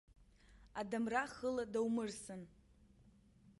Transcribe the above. Адамра хыла даумырсын.